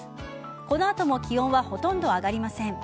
この後も気温はほとんど上がりません。